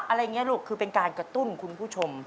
อะไรอย่างนี้ลูกคือเป็นการกระตุ้นคุณผู้ชม